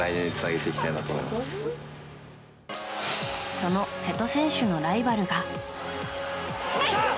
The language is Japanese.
その瀬戸選手のライバルが。